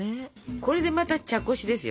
これでまた茶こしですよ。